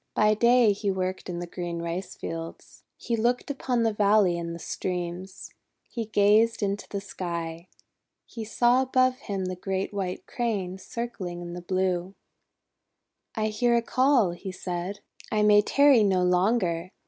By day he worked in the green rice fields. He looked upon the valley and the streams. He gazed into the sky. He saw above him the great White Crane circling in the blue. 16 1 hear a call," he said. 'I may tarry no longer!